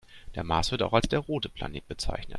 Der Mars wird auch als der „rote Planet“ bezeichnet.